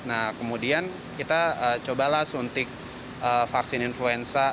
nah kemudian kita cobalah suntik vaksin influenza